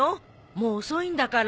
もう遅いんだから。